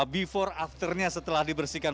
before afternya setelah dibersihkan